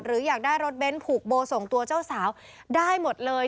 อยากได้รถเบ้นผูกโบส่งตัวเจ้าสาวได้หมดเลย